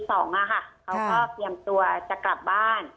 เขาก็เตรียมตัวจะกลับบ้าน